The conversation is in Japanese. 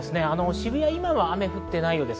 渋谷は今、雨降っていないようです。